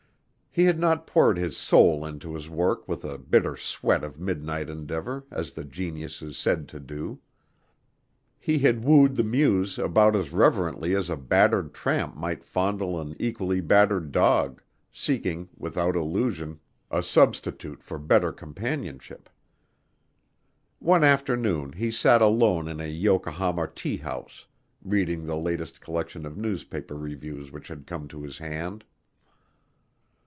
He had not poured his soul into his work with a bitter sweat of midnight endeavor as the genius is said to do. He had wooed the muse about as reverently as a battered tramp might fondle an equally battered dog, seeking, without illusion, a substitute for better companionship. One afternoon he sat alone in a Yokohama tea house, reading the latest collection of newspaper reviews which had come to his hand.